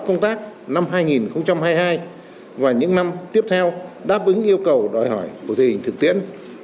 công tác năm hai nghìn hai mươi hai và những năm tiếp theo đáp ứng yêu cầu đòi hỏi của thời hình thực tiễn